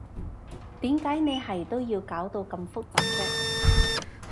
點解你係都要搞到咁複雜啫？